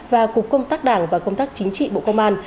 và cục công tác đảng và công tác chính trị bộ công an